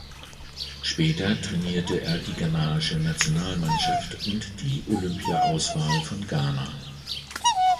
Später trainierte er die ghanaische Nationalmannschaft und die Olympiaauswahl von Ghana.